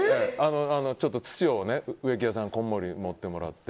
土を植木屋さんにこんもり盛ってもらって。